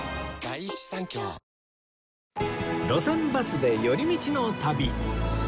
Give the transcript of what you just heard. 『路線バスで寄り道の旅』